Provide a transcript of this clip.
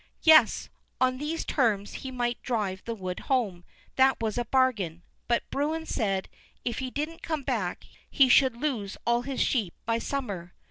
Yes; on these terms he might drive the wood home, that was a bargain; but Bruin said, if he didn't come back, he should lose all his sheep by summer.